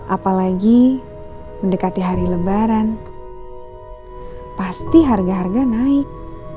apalagi mendekati hari lebaran pasti harga harga naik